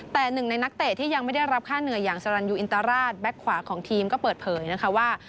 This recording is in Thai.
แต่หนึ่งในนักเตะที่ยังไม่ได้รับค่าเหนื่อยอย่างสรรยูอินตราชแบ็คขวาของทีมก็เปิดเผยนะคะว่า